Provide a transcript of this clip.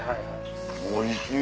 おいしい。